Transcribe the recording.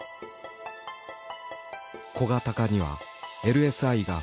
小型化にはＬＳＩが不可欠。